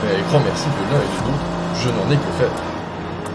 Mais grand merci de l'un et de l'autre : je n'en ai que faire.